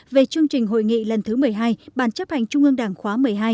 về chương trình hội nghị lần thứ một mươi hai ban chấp hành trung ương đảng khóa một mươi hai